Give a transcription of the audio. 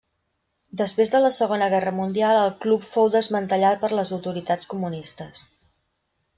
Després de la Segona Guerra Mundial el club fou desmantellat per les autoritats comunistes.